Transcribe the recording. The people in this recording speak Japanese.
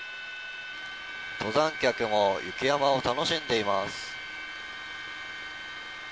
登山客も雪山を楽しんでいます。